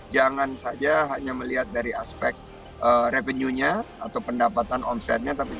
jangan saja hanya melihat dari aspek revenue nya atau pendapatan omsetnya